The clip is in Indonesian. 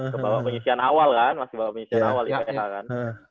ke bawah pengisian awal kan masih bawah pengisian awal iph kan